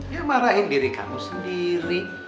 ya marahin diri kamu sendiri